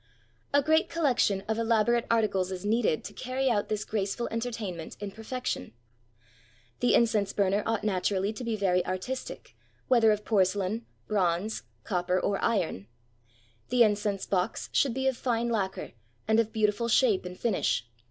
A great collection of elaborate articles is needed to carry out this graceful entertainment in perfection. The 411 JAPAN incense burner ought naturally to be very artistic, whether of porcelain, bronze, copper, or iron. The in cense box should be of fine lacquer, and of beautiful shape and finish.